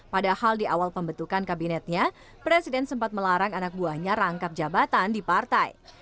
padahal di awal pembentukan kabinetnya presiden sempat melarang anak buahnya rangkap jabatan di partai